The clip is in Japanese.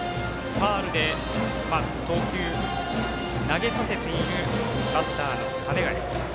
ファウルで投球を投げさせているバッター、鐘ヶ江。